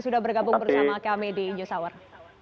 sudah bergabung bersama kmd yosawar